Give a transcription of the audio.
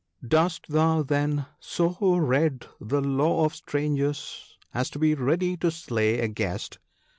Dost thou, then, so read the law of strangers as to be ready to slay a guest